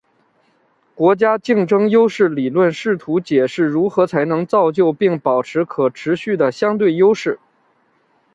国家竞争优势理论试图解释如何才能造就并保持可持续的相对优势。